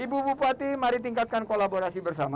ibu bupati mari tingkatkan kolaborasi bersama